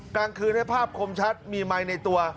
กลางคืนให้ภาพคมชัดมีไมค์ในตัว